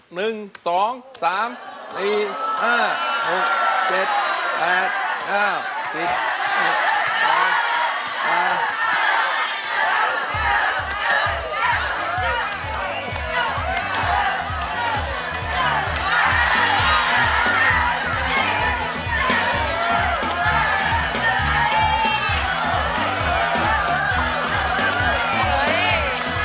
หนึ่งสองสามสี่ห้าหกเจ็ดแปดเก้าสิบสี่สามสาม